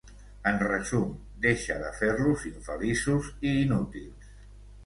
En resum, deixa de fer-los infeliços i inútils.